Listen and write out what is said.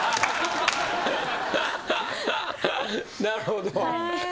なるほど。